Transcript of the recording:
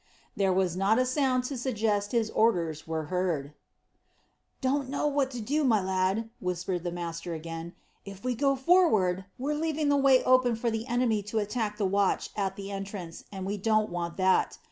There was not a sound to suggest that his orders were heard. "Don't know what to do, my lad," whispered the master again. "If we go forward, we're leaving the way open for the enemy to attack the watch at the entrance, and we don't want that.